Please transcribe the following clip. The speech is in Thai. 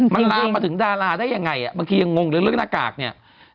มันลามมาถึงดาราได้ยังไงบางทียังงงเลยเรื่องหน้ากากเนี่ย